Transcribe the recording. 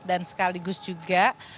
dan sekaligus juga